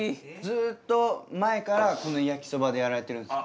ずっと前からこの焼きそばでやられてるんですか？